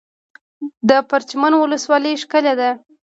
د پرچمن ولسوالۍ ښکلې ده